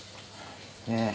ええ。